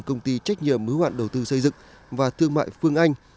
công ty trách nhiệm mối hoạn đầu tư xây dựng và thương mại phương anh